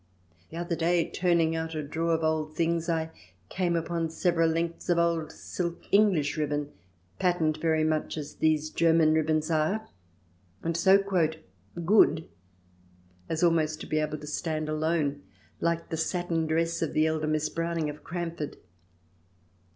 The other day, turning out a drawer full of old things, I came upon several lengths of old silk English ribbon patterned very much as these German ribbons are. CH. IX] CHESTS AND COSTUMES 135 and so " good " as almost to be able to stand alone, like the satin dress of the elder Miss Browning of Cranford.